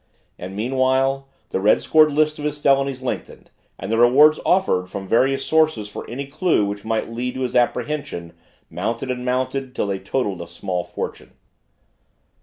And meanwhile, the red scored list of his felonies lengthened and the rewards offered from various sources for any clue which might lead to his apprehension mounted and mounted till they totaled a small fortune.